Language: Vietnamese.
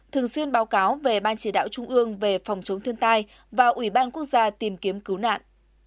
thường xuyên báo cáo về ban chỉ đạo trung ương về phòng chống thiên tai và ủy ban quốc gia tìm kiếm cứu nạn